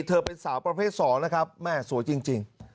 เธอเป็นสาวประเภท๒นะครับแม่สวยจริง